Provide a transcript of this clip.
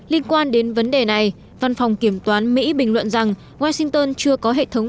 liên quan đến vấn đề này văn phòng kiểm toán mỹ bình luận rằng washington chưa có hệ thống